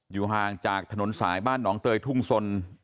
อยู่กันทางถนนสายบ้านหนองเตยทุ่งชน